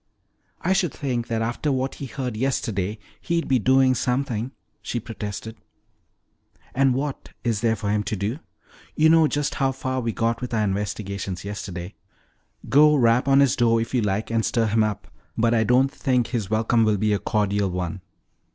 "I should think that after what he heard yesterday he'd be doing something," she protested. "And what is there for him to do? You know just how far we got with our investigations yesterday. Go rap on his door if you like and stir him up. But I don't think his welcome will be a cordial one."